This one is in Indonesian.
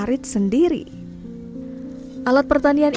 aku habisnya upaland pembel technical